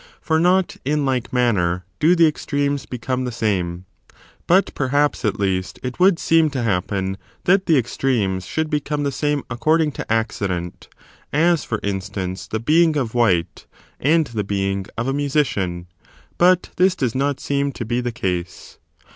for not, in like manner, do the extremes become the same. But, perhaps, at least, it would seem to happen that the extremes should become the same according to accident; as, for instance, the being of white, and the being of a musician; but this does not seem to be the case.